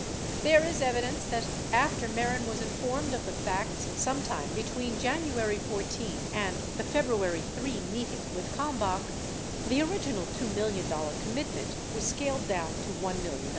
There is evidence that after Mehren was informed of the facts some time between January 14 and the February 3 meeting with Kalm bach, the original $2 million commitment was scaled down to $1 million.